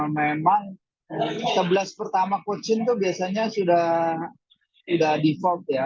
memang sebelas pertama coaching itu biasanya sudah tidak default ya